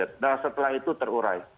nah setelah itu terurai